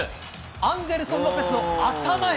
アンデルソン・ロペスの頭へ。